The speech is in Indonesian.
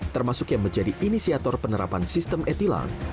termasuk yang menjadi inisiator penerapan sistem e tilang